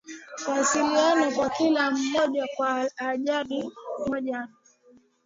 huwasiliana kwa kila mmoja kwa lahaja moja ya